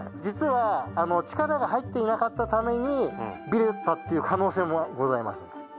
実は力が入っていなかったためにびれったっていう可能性もございます。